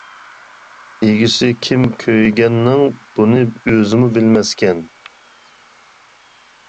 ئىگىسى كىم كۆيگەننىڭ، بۇنى ئۆزىمۇ بىلمەسكەن.